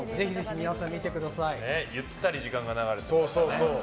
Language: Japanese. ゆったり時間が流れてましたね。